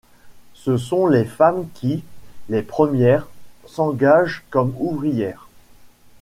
Ce sont les femmes qui, les premières, s'engagent comme ouvrières.